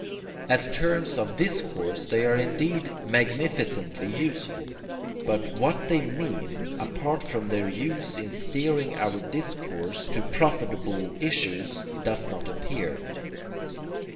As terms of DISCOURSE they are indeed magnificently useful, but what they mean, apart from their use in steering our discourse to profitable issues, does not appear.